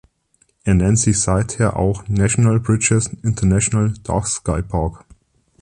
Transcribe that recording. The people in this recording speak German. Er nennt sich seither auch "Natural Bridges International Dark Sky Park".